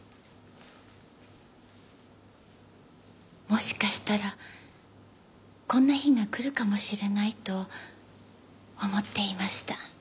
もしかしたらこんな日が来るかもしれないと思っていました。